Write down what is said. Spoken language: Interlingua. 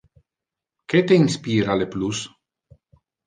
Que te inspira le plus?